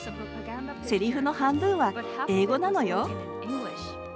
せりふの半分は英語なのよ。